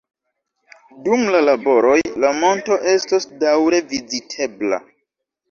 Dum la laboroj la monto estos daŭre vizitebla.